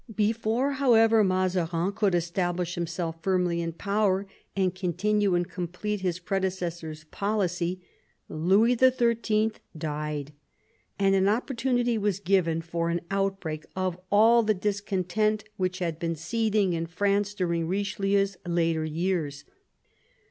Before, however, Mazarin could establish himself firmly in power, and continue and complete his pre decessor's policy, Louis XIII. died, and an opportunity was given for an outbreak of all the discontent which had been seething in France during Richelieu's later years.